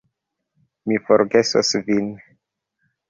Mi forgesos vin.